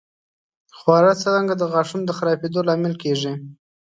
خواړه څرنګه د غاښونو د خرابېدو لامل کېږي؟